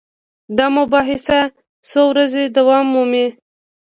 دا مباحثه څو ورځې دوام مومي.